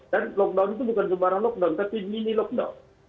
dan lockdown itu bukan sebarang lockdown tapi mini lockdown